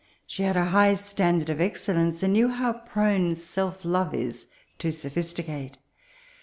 She had a high sta^ard of excellence, and knew how prone self love is to sophisticate.